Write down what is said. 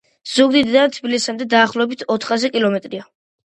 ზუგდიდიდან თბილისამდე დაახლოებით ოთხასი კილომეტრია.